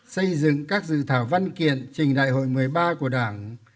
xây dựng các dự thảo văn kiện trình đại hội một mươi ba của đảng